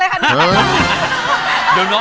อียมขอบคุณครับ